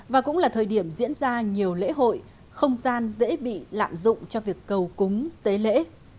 và cũng là thời điểm diễn ra nhiều lễ hội không gian dễ bị lạm dụng cho việc cầu cúng tế lễ